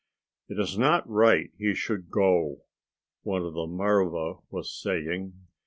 "It is not right he should go," one of the marva was saying.